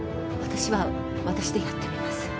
私は私でやってみます。